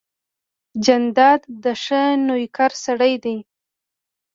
جانداد د ښه نویکر سړی دی.